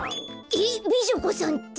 えっ美女子さんって？